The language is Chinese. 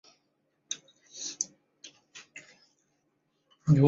威廉姆森于雷登公园学校和亨利文法学校上学。